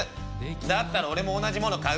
「だったら俺も同じもの買う」。